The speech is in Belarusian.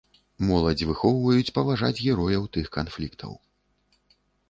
Моладзь выхоўваюць паважаць герояў тых канфліктаў.